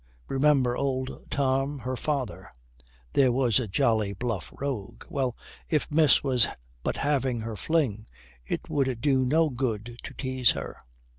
Remember old Tom, her father: there was a jolly bluff rogue. Well, if miss was but having her fling, it would do no good to tease her.